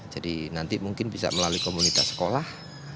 jadi nanti mungkin bisa melalui komunitas sekolah